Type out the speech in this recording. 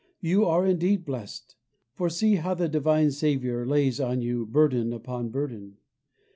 You are indeed blessed; for see how the divine Saviour lays on you burden upon burden.